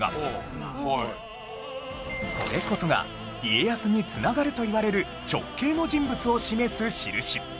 これこそが家康に繋がるといわれる直系の人物を示す印